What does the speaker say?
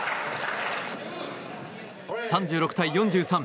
３６対４３。